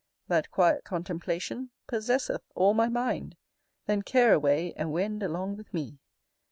That quiet contemplation Possesseth all my mind: Then care away And wend along with me.